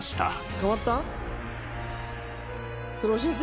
捕まった？